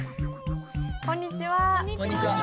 こんにちは。